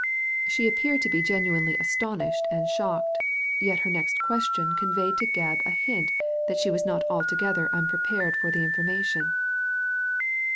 She appeared to be genuinely astonished and shocked ; yet her next question con veyed to Gebb a hint that she was not altogether unprepared for the information.